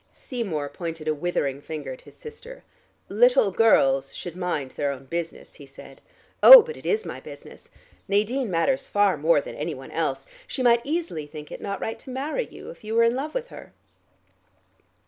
Seymour pointed a withering finger at his sister. "Little girls should mind their own business," he said. "Oh, but it is my business. Nadine matters far more than any one else. She might easily think it not right to marry you if you were in love with her."